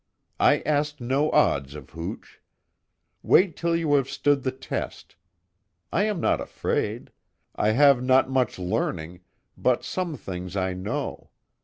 I ask no odds of hooch. Wait till you have stood the test. I am not afraid. I have not much learning, but some things I know.